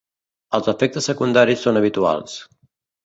Els efectes secundaris són habituals.